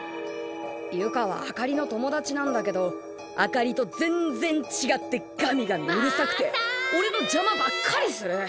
由香はあかりの友達なんだけどあかりと全然ちがってガミガミうるさくておれのじゃまばっかりする。